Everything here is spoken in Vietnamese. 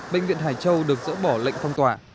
bệnh viện hải châu được dỡ bỏ lệnh phong tỏa